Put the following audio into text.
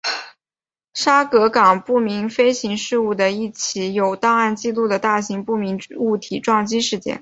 沙格港不明飞行物事件的一起有档案记录的大型不明物体撞击事件。